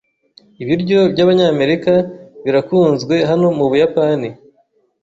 Ibiryo byabanyamerika birakunzwe hano mubuyapani?